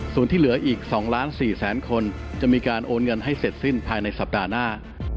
ส่วนที่เหลืออีก๒ล้าน๔แสนคนจะมีการโอนเงินให้เสร็จสิ้นภายในสัปดาห์หน้า